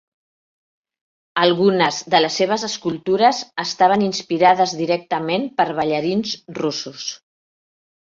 Algunes de les seves escultures estaven inspirades directament per ballarins russos.